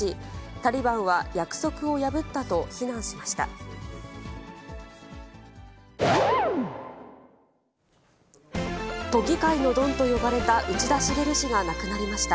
タリバンは約束を破ったと非難しました。